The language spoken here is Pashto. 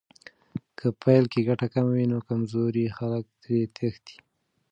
که په پیل کې ګټه کمه وي، نو کمزوري خلک ترې تښتي.